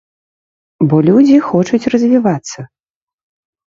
Бо людзі хочуць развівацца.